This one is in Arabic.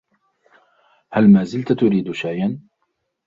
هل مازلتَ تريد شاياً؟